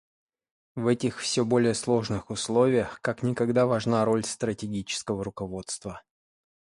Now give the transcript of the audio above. В этих все более сложных условиях как никогда важна роль стратегического руководства.